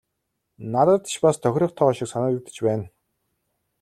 Надад ч бас тохирох тоо шиг санагдаж байна.